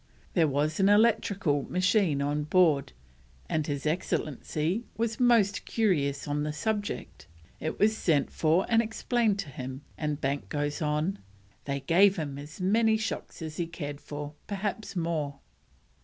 There was an electrical machine on board, and His Excellency was most curious on the subject; it was sent for and explained to him, and Banks goes on, "they gave him as many shocks as he cared for; perhaps more."